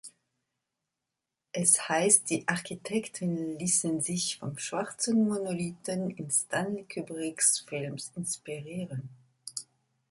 Es heißt, die Architekten ließen sich vom schwarzen Monolithen in Stanley Kubricks Film inspirieren.